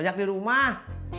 ojak di rumah